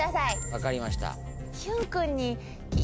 分かりました。